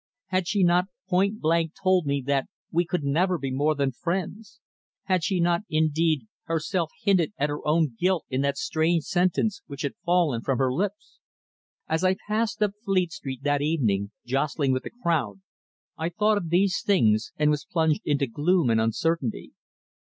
Had she not point blank told me that we could never be more than friends? Had she not, indeed, herself hinted at her own guilt in that strange sentence which had fallen from her lips? As I passed up Fleet Street that evening, jostling with the crowd, I thought of these things, and was plunged into gloom and uncertainty.